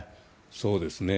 そうですね。